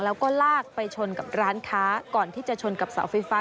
แล้วก็ลากไปชนกับร้านค้าก่อนที่จะชนกับเสาไฟฟ้า